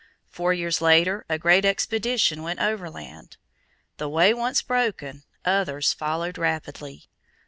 Four years later a great expedition went overland. The way once broken, others followed rapidly.